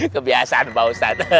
kebiasaan pak ustaz